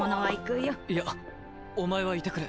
いやお前はいてくれ。